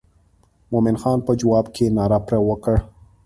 مومن خان په جواب کې ناره پر وکړه.